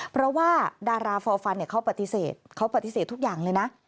เพราะว่าดาราฟอร์ฟันเขาปฏิเสธเขาปฏิเสธทุกอย่างเลยนะ